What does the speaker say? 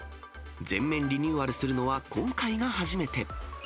全面リニューアルするのは今回が初めて。